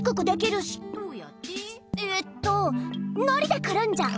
えっとのりでくるんじゃう。